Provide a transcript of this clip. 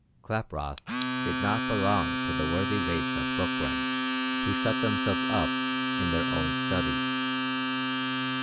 Klaproth did not belong to the worthy race of book worms who shut themselves up in their own studies.